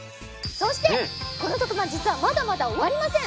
そしてこの特番実はまだまだ終わりません！